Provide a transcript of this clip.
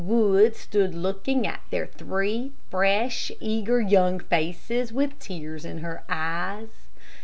Wood stood looking at their three fresh, eager, young faces, with tears in her eyes.